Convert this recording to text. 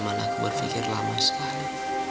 mana aku berpikir lama sekali